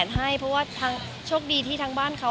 มีปิดฟงปิดไฟแล้วถือเค้กขึ้นมา